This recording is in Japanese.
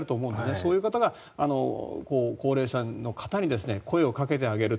そういう方が高齢者の方に声をかけてあげる。